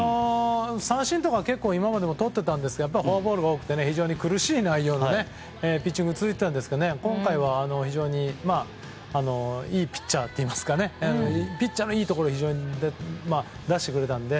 三振とか結構今までもとってましたがやっぱりフォアボールが多くて苦しい内容のピッチングが続いていたんですが今回は非常にいいピッチャーといいますかピッチャーのいいところを非常に出してくれたので。